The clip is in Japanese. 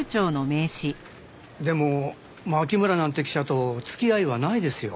でも牧村なんて記者と付き合いはないですよ。